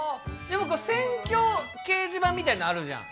でも選挙掲示板みたいなのあるじゃん。